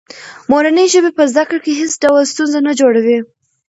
مورنۍ ژبه په زده کړه کې هېڅ ډول ستونزه نه جوړوي.